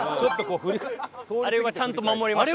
あれはちゃんと守りましょう。